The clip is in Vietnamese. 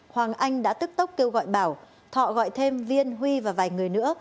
hoàng anh đã tức tốc kêu gọi bảo thọ gọi thêm viên huy và vài người nữa